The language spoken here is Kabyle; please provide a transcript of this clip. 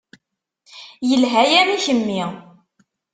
Yelha-yam i kemmi.